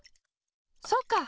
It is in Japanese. そうか！